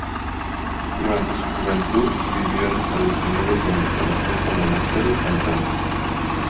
Durante su juventud vivió en Estados Unidos donde trabajó como mesero y cantante.